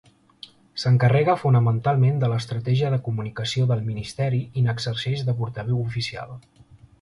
S'encarrega fonamentalment de l'estratègia de comunicació del Ministeri i n'exerceix de portaveu oficial.